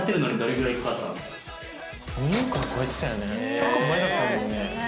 結構前だったもんね。